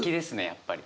やっぱり。